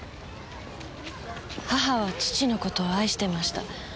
母は父の事を愛していました。